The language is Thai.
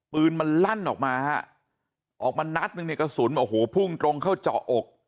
ปืนมันลั่นออกมานัดหนึ่งพุ่งเข้าเจาะอก